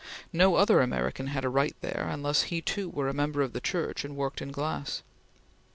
No other American had a right there, unless he too were a member of the Church and worked in glass.